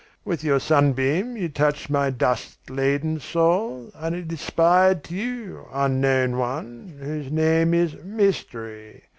With your sunbeam you touched my dust laden soul and it aspired to you, Unknown One, whose name is mystery!